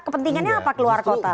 kepentingannya apa keluar kota